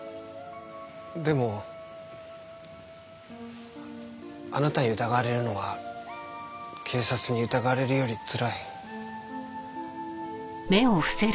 でもあなたに疑われるのは警察に疑われるよりつらい。